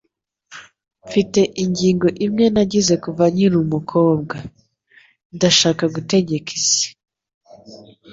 Mfite intego imwe nagize kuva nkiri umukobwa. Ndashaka gutegeka isi. ”